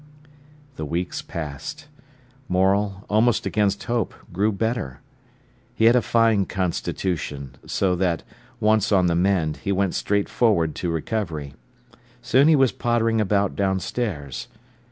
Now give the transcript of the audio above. The weeks passed. Morel, almost against hope, grew better. He had a fine constitution, so that, once on the mend, he went straight forward to recovery. Soon he was pottering about downstairs.